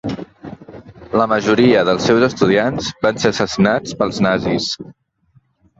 La majoria dels seus estudiants van ser assassinats pels nazis.